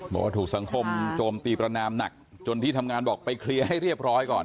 บ่ทุกสังคมโจมตีประนามหนักจนที่ทำงานบอกไปเคลียร์ให้เรียบ